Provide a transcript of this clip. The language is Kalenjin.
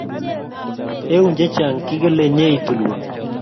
Eun che chang kikelenyei tulwo.